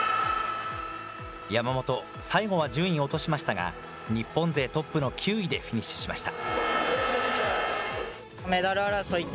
山本、最後は順位を落としましたが、日本勢トップの９位でフィニッシュしました。